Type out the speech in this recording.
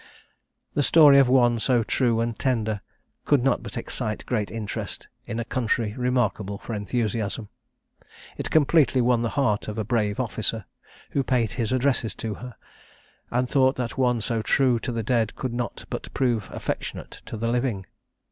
"The story of one so true and tender could not but excite great interest in a country remarkable for enthusiasm. It completely won the heart of a brave officer, who paid his addresses to her, and thought that one so true to the dead could not but prove affectionate to the living.